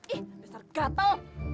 ih besar gatel